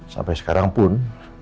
sampai sekarang pun